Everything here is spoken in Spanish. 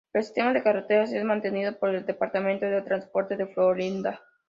El sistema de carreteras es mantenido por el Departamento de Transporte de Florida.